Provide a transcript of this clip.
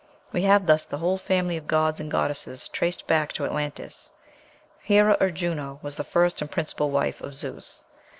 We have thus the whole family of gods and goddesses traced back to Atlantis. Hera, or Juno, was the first and principal wife of Zeus.